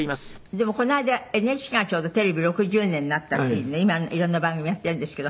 でもこの間ＮＨＫがちょうどテレビ６０年になったっていうんで今色んな番組やっているんですけど。